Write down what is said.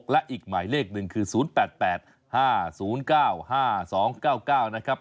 และอีกหมายเลขหนึ่งคือ๐๘๘๕๐๙๕๒๙๙นะครับ